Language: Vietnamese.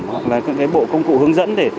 hoặc là cái bộ công cụ hướng dẫn